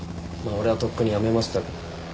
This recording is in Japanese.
俺はとっくにやめましたけど。